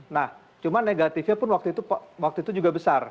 nah cuma negatifnya pun waktu itu juga besar